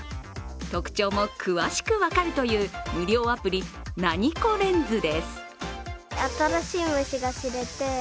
特徴も詳しく分かるという無料アプリ、ナニコレンズです。